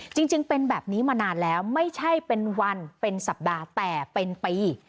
จริงเป็นแบบนี้มานานแล้วไม่ใช่เป็นวันเป็นสัปดาห์แต่เป็นปี